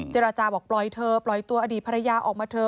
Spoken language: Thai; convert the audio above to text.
เจรจาบอกปล่อยเธอปล่อยตัวอดีตภรรยาออกมาเถอะ